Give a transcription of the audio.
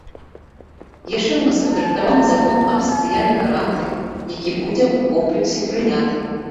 Яшчэ ў нас падрыхтаваны закон аб сацыяльных гарантыях, які будзе ў комплексе прыняты.